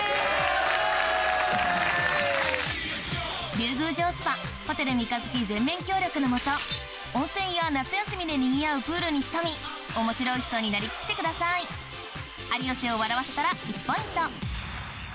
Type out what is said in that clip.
龍宮城スパホテル三日月全面協力の下温泉や夏休みでにぎわうプールに潜み面白い人になりきってくださいあら？